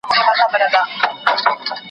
ستا شامت به مي په پاکو وینو کښېوزي